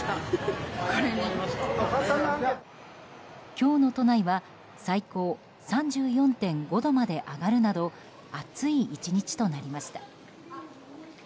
今日の都内は最高３４．５度まで上がるなど暑い１日となりました。